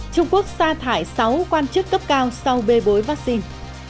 trung quốc sa thải sáu quan chức cấp cao sau bê bối vắc xin